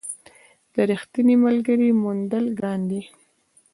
د رښتیني ملګري موندل ګران دي.